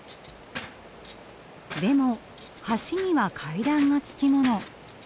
でも橋には階段がつきもの。